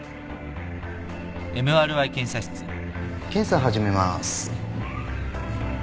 検査始めます。